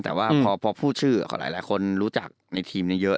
แต่ว่าพอพูดชื่อหลายคนรู้จักในทีมนี้เยอะ